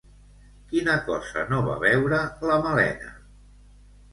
Quina cosa no va veure la Malena?